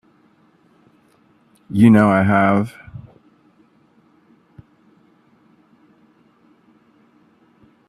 You know I have.